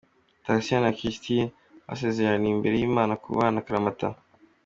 Thacien na Christine basezeraniye imbere y'Imana kubana akaramata.